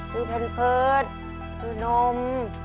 ซื้อเพลินเพิศซื้อนม